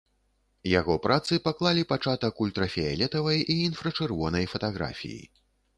Яго працы паклалі пачатак ультрафіялетавай і інфрачырвонай фатаграфіі.